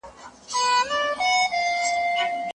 غړو به د کرني د پراختيا لپاره مرستي راجلب کړي وي.